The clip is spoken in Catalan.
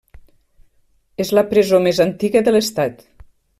És la presó més antiga de l'estat.